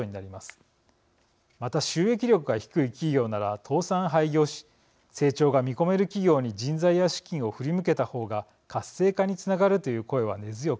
また収益力が低い企業なら倒産・廃業し成長が見込める企業に人材や資金を振り向けたほうが活性化につながるという声は根強くあります。